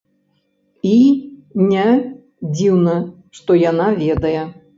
І не дзіўна, што яна ведае.